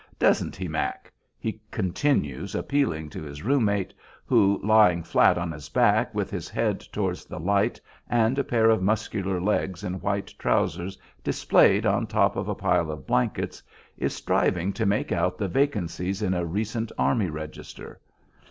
"Doesn't he, Mack?" he continues, appealing to his room mate, who, lying flat on his back with his head towards the light and a pair of muscular legs in white trousers displayed on top of a pile of blankets, is striving to make out the vacancies in a recent Army Register.